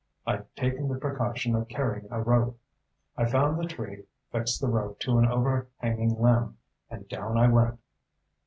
I'd taken the precaution of carrying a rope. I found the tree, fixed the rope to an overhanging limb, and down I went."